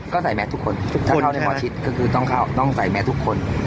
ก็ใส่แม็ดทุกคนถ้าเข้าในหมอชิดก็คือต้องใส่แม็ดทุกคน